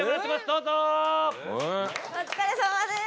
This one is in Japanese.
お疲れさまです。